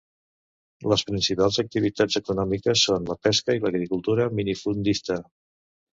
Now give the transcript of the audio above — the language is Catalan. Les principals activitats econòmiques són la pesca i l’agricultura minifundista.